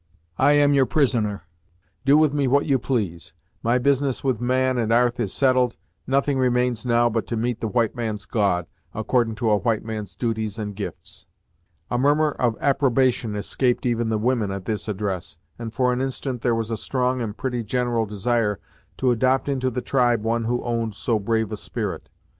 I am your prisoner; do with me what you please. My business with man and 'arth is settled; nothing remains now but to meet the white man's God, accordin' to a white man's duties and gifts." A murmur of approbation escaped even the women at this address, and, for an instant there was a strong and pretty general desire to adopt into the tribe one who owned so brave a spirit.